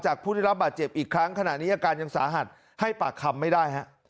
ผู้ได้รับบาดเจ็บอีกครั้งขณะนี้อาการยังสาหัสให้ปากคำไม่ได้ฮะ